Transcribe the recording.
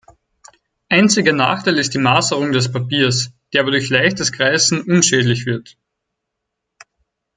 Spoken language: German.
Einziger Nachteil ist die Maserung des Papiers, die aber durch leichtes Kreisen unschädlich wird.